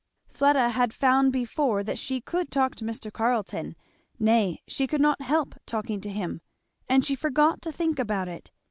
Fleda had found before that she could talk to Mr. Carleton, nay she could not help talking to him; and she forgot to think about it.